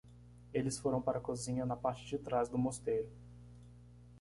Eles foram para a cozinha na parte de trás do mosteiro.